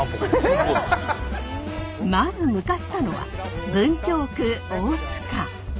まず向かったのは文京区大塚。